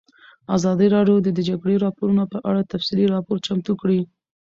ازادي راډیو د د جګړې راپورونه په اړه تفصیلي راپور چمتو کړی.